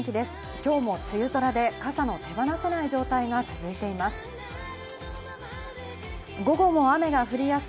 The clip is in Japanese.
今日も梅雨空で傘の手放せない状態が続いています。